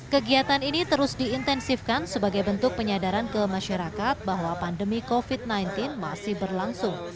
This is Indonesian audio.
kegiatan ini terus diintensifkan sebagai bentuk penyadaran ke masyarakat bahwa pandemi covid sembilan belas masih berlangsung